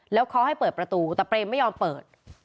แล้วเขาให้เปิดประตูแต่เปรมไม่ยอมเปิด